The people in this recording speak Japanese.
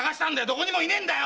どこにもいねえんだよ‼